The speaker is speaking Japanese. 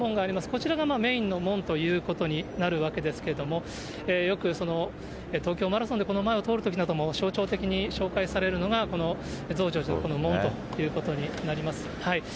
こちらがメインの門ということになるわけですけれども、よく東京マラソンでこの前を通るときなども、象徴的に紹介されるのが、この増上寺のこの門ということになります。